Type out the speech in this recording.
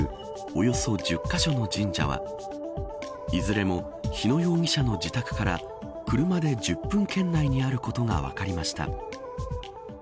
およそ１０カ所の神社はいずれも日野容疑者の自宅から車で１０分圏内にあることが分かりました。